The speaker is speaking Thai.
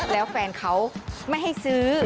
แล้วแฟนเขาไม่ให้ซื้อ